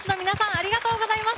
ありがとうございます。